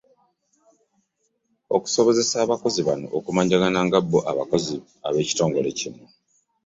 Okusobozesa abakozi bano okumanyagana nga bbo abakozi b'ebitongole bino